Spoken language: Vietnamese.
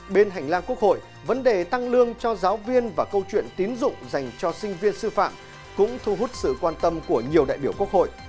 trong cuộc hội vấn đề tăng lương cho giáo viên và câu chuyện tín dụng dành cho sinh viên sư phạm cũng thu hút sự quan tâm của nhiều đại biểu quốc hội